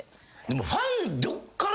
でもファン。